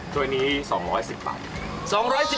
ตัวนี้๒๑๐บาท